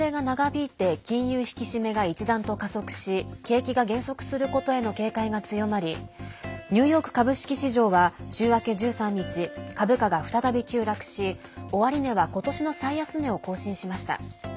引き締めが一段と加速し景気が減速することへの警戒が強まりニューヨーク株式市場は週明け１３日、株価が再び急落し終値は、ことしの最安値を更新しました。